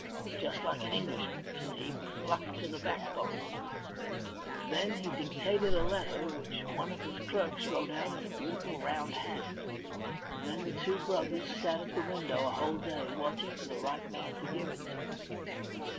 Just like an Englishman, you see; pluck to the backbone. Then he dictated a letter, which one of his clerks wrote out in a beautiful round hand, and then the two brothers sat at the window a whole day watching for the right man to give it to.